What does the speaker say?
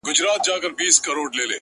زما سره يې دومره ناځواني وكړله ،